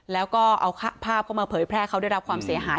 แล้วก็เอาภาพเข้ามาเผยแพร่เขาได้รับความเสียหาย